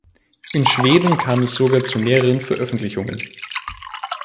In Schweden kam es sogar zu mehreren Veröffentlichungen.